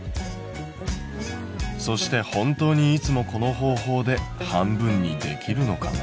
そして本当にいつもこの方法で半分にできるのかな？